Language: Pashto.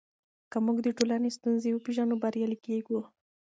که موږ د ټولنې ستونزې وپېژنو نو بریالي کیږو.